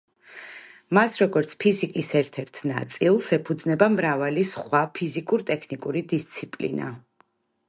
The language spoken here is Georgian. მას, როგორც ფიზიკის ერთ-ერთი ნაწილს, ეფუძნება მრავალი სხვა ფიზიკურ-ტექნიკური დისციპლინა.